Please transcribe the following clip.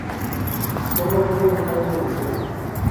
Sólo hubo un cambio de sede.